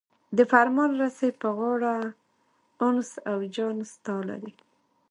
د فرمان رسۍ په غاړه انس او جان ستا لري.